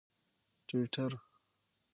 ټویټر